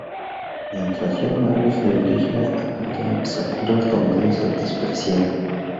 Mientras John Barry se dirige a la aldea de Sakura donde es despreciado.